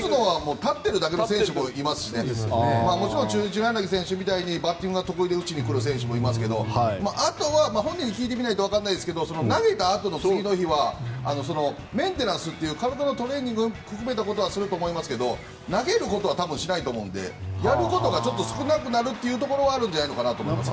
立っているだけの選手もいますしもちろバッティングが得意で打ちに来る選手もいますけど本人に聞かないとわかりませんが投げたあとの次の日はメンテナンスという体のトレーニングを含めたことはすると思いますが投げることはしないと思うのでやることが少なくなるというところはあるんじゃないのかなと思います。